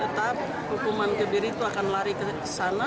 tetap hukuman kebiri itu akan lari keseluruhan